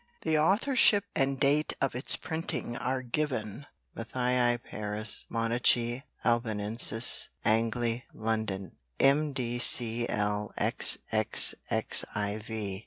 The authorship and date of its printing are given: Matthaei Paris, Monachi Albanensis Angli London MDCLXXXIV.